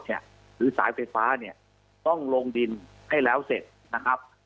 หรือสายไฟฟ้าเนี่ยต้องลงดินให้แล้วเสร็จนะครับ